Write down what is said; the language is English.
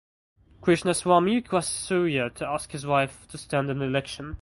Krishnaswamy requests Surya to ask his wife to stand in the election.